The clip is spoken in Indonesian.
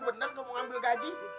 bentar mau ambil gaji